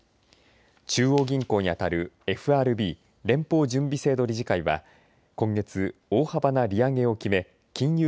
中央銀行に当たるＦＲＢ連邦準備制度理事会は今月、大幅な利上げを決め金融